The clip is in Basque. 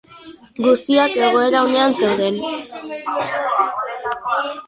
Guztiak egoera onean zeuden.